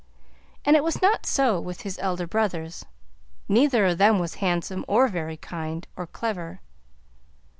And it was not so with his elder brothers; neither of them was handsome, or very kind, or clever.